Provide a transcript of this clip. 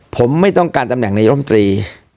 ผมไม่ต้องการตำแหน่งนายรมตรี